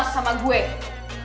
karena mau panggil dia